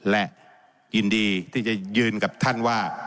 และยินดีที่จะยืนกับท่านว่า